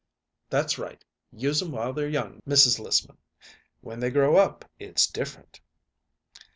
"That's right; use 'em while they're young, Mrs. Lissman. When they grow up it's different."